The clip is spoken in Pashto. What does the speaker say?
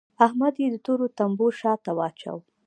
احمد يې د تورو تمبو شا ته واچاوو.